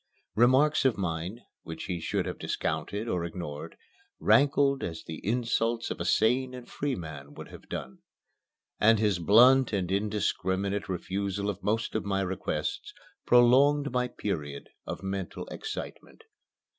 Remarks of mine, which he should have discounted or ignored, rankled as the insults of a sane and free man would have done. And his blunt and indiscriminate refusal of most of my requests prolonged my period of mental excitement.